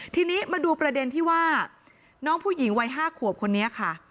ทีนี้มาดูประเด็นที่ว่าน้องผู้หญิงวัย๕ขวบคนนี้ค่ะ